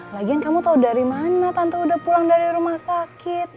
lagian kamu tahu dari mana tante udah pulang dari rumah sakit